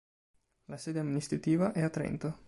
La sede amministrativa è a Trento.